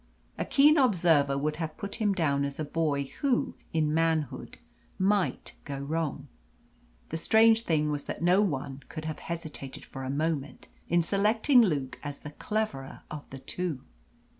A keen observer would have put him down as a boy who in manhood might go wrong. The strange thing was that no one could have hesitated for a moment in selecting Luke as the cleverer of the two.